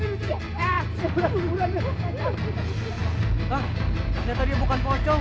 hah ternyata dia bukan pancong